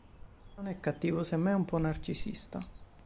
Non è cattivo, semmai un po' narcisista.